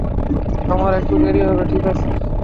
আমার একটু দেরি হবে, ঠিক আছে?